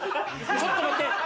ちょっと待って。